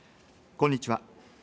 こんにちは。